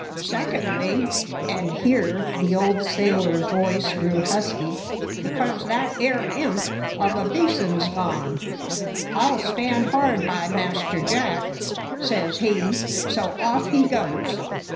_ Secondly" and here the old sailor's voice grew husky "because that 'ere imp of a Besin's gone. 'I'll stand hard by Master Jack,' says he, so off he goes.